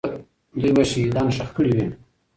دوی به شهیدان ښخ کړي وي.